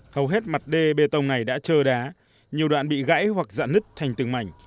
hầu hết mặt đê bê tông này đã trơ đá nhiều đoạn bị gãy hoặc dạ nứt thành từng mảnh